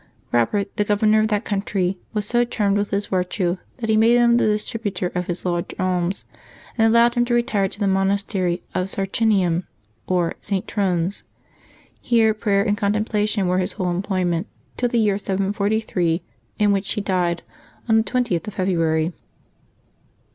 Eobert, the governor of that country, was so charmed with his virtue that he made him the distributor of his large alms, and allowed him to retire to the monastery of Sarchinium, or St. Tron's. Here prayer and contemplation were his whole employment till the year 743, in which he died, on the 20th of February.